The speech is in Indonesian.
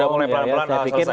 sudah mulai pelan pelan saya pikir